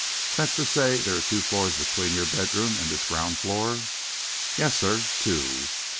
"That's to say there are two floors between your bedroom and this ground floor?" "Yes, sir two."